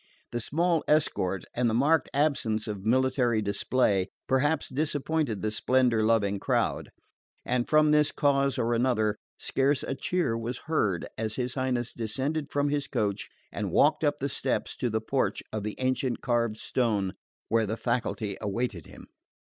The small escort, and the marked absence of military display, perhaps disappointed the splendour loving crowd; and from this cause or another, scarce a cheer was heard as his Highness descended from his coach, and walked up the steps to the porch of ancient carved stone where the faculty awaited him.